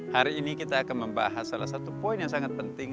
hari ini kita akan membahas salah satu poin yang sangat penting